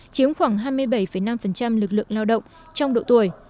chiếm khoảng hai mươi bảy năm lực lượng lao động trong độ tuổi